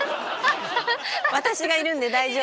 私がいるんで大丈夫。